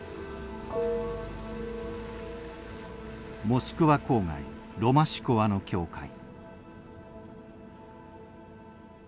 モスクワ郊外ロマシコワの教会。